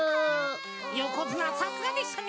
よこづなさすがでしたね。